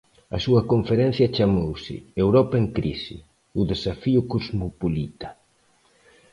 A súa conferencia chamouse 'Europa en crise: o desafío cosmopolita'.